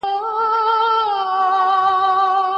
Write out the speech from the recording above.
چېري د دوی شتون ډېر اړین دی؟